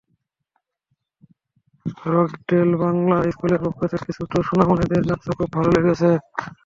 Rockdale Bangla স্কুলের পক্ষ থেকে ছোট্ট সোনামণিদের নাচও খুব ভালো লেগেছে।